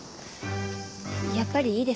やっぱりいいです。